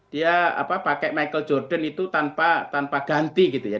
dia pakai michael jordan itu tanpa ganti gitu ya